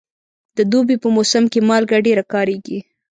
د دوبي په موسم کې مالګه ډېره کارېږي.